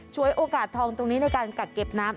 โอกาสทองตรงนี้ในการกักเก็บน้ำ